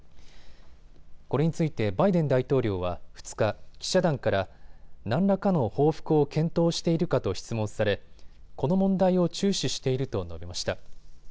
これについてバイデン大統領は２日、記者団から何らかの報復を検討しているかと質問されこの問題を注視していると述べました。